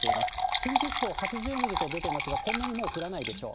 近畿地方８０ミリと出てますが、こんなにもう降らないでしょう。